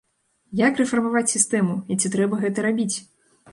Як рэфармаваць сістэму і ці трэба гэта рабіць?